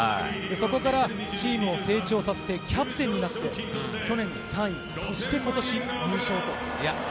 そこからチームを成長させて、キャプテンになって、去年３位、そして今年優勝と。